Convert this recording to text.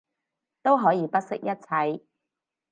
都可以不惜一切